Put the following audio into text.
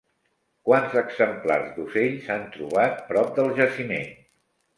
Quants exemplars d'ocells s'han trobat prop del jaciment?